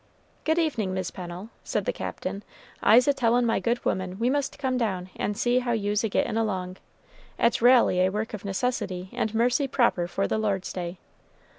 "Good evening, Mis' Pennel," said the Captain; "I's a tellin' my good woman we must come down and see how you's a getting along. It's raly a work of necessity and mercy proper for the Lord's day.